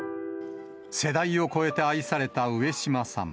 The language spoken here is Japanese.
世代を超えて愛された上島さん。